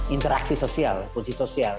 interaksi sosial kunci sosial